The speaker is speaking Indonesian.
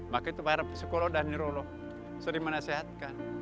maka itu para psikolog dan nirullah sering menasehatkan